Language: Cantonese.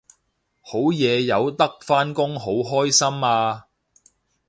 好嘢有得返工好開心啊！